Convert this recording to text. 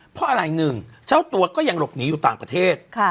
เพราะอะไรหนึ่งเจ้าตัวก็ยังหลบหนีอยู่ต่างประเทศ